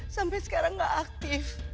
sampai sekarang gak aktif